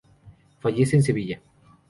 Fallece en Sevilla.